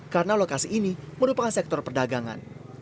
karena lokasi ini merupakan sektor perdagangan